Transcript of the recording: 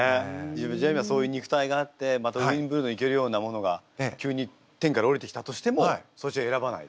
じゃあそういう肉体があってまたウィンブルドン行けるようなものが急に天からおりてきたとしてもそっちを選ばないで？